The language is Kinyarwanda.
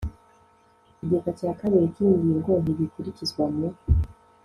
Igika cya kabiri cy iyi ngingo ntigikurikizwa mu